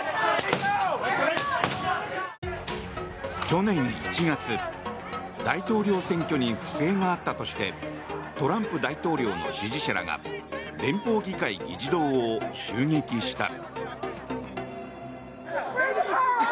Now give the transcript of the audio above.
去年１月大統領選挙に不正があったとしてトランプ大統領の支持者らが連邦議会議事堂を襲撃した。